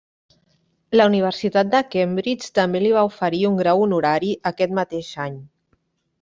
La Universitat de Cambridge també li va oferir un grau honorari aquest mateix any.